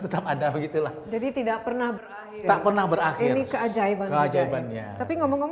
tetap ada begitulah jadi tidak pernah tak pernah berakhir ini keajaiban keajaiban ya tapi ngomong ngomong